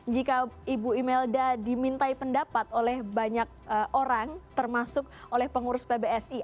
jika ibu imelda dimintai pendapat oleh banyak orang termasuk oleh pengurus pbsi